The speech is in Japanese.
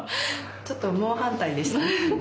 ちょっと猛反対でしたね。